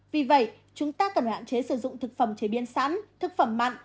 vì vậy chúng ta cần hạn chế sử dụng thực phẩm chế biến sẵn thực phẩm mặn